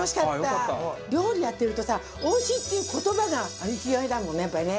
料理やってるとさ「おいしい」っていう言葉が生きがいだもんね、やっぱりね。